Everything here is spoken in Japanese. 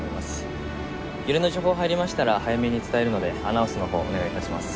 揺れの情報が入りましたら早めに伝えるのでアナウンスのほうお願い致します。